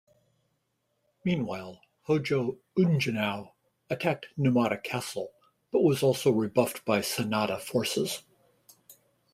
Meanwhile, Hōjō Ujinao attacked Numata Castle, but was also rebuffed by Sanada forces.